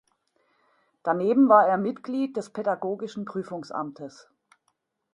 Daneben war er Mitglied des pädagogischen Prüfungsamtes.